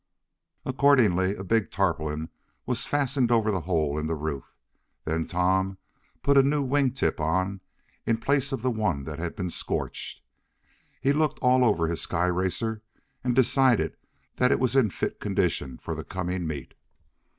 Accordingly, a big tarpaulin was fastened over the hole in the roof. Then Tom put a new wing tip on in place of the one that had been scorched. He looked all over his sky racer, and decided that it was in fit condition for the coming meet.